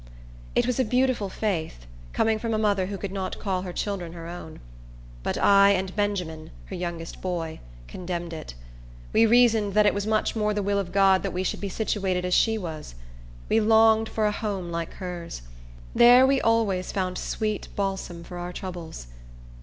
It was a beautiful faith, coming from a mother who could not call her children her own. But I, and Benjamin, her youngest boy, condemned it. We reasoned that it was much more the will of God that we should be situated as she was. We longed for a home like hers. There we always found sweet balsam for our troubles.